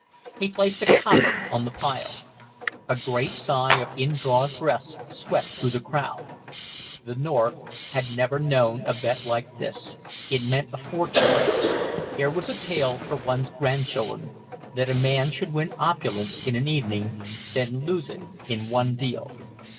He placed a "copper" on the pile. A great sigh of indrawn breaths swept through the crowd. The North had never known a bet like this it meant a fortune. Here was a tale for one's grandchildren that a man should win opulence in an evening, then lose it in one deal.